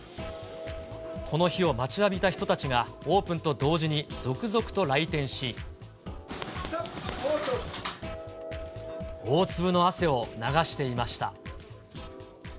この日を待ちわびた人たちが、オープンと同時に続々と来店し、大粒の汗を流していました。